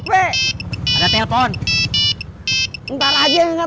sudah sampai ada telepon entar aja enggak